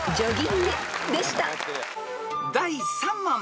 ［第３問。